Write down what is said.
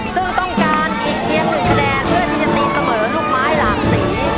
ซึ่งต้องการอีกเพียง๑คะแนนเพื่อที่จะตีเสมอลูกไม้หลากสี